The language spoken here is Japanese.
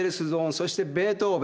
そしてベートーベン。